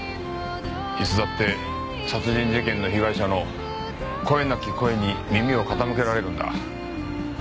いつだって殺人事件の被害者の声なき声に耳を傾けられるんだ。